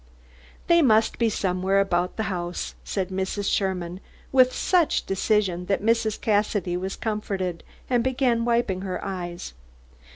"They must be somewhere about the house," said Mrs. Sherman, with such decision that Mrs. Cassidy was comforted, and began wiping her eyes.